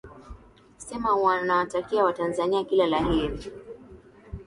sema unawatakia watanzania kila la heri